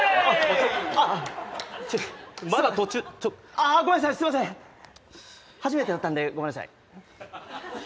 あっ、音ごめんなさい、すいません、初めてだったんで、ごめんなさい。